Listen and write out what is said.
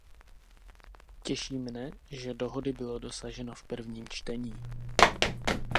Těší mne, že dohody bylo dosaženo v prvním čtení.